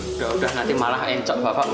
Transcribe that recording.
udah udah nanti malah encok bapak